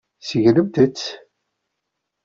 Segnemt-tt.